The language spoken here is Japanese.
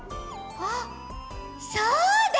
あっそうだ。